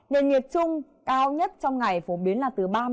nền nhiệt trung cao nhất trong ngày phổ biến là từ ba mươi một